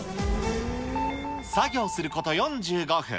作業すること４５分。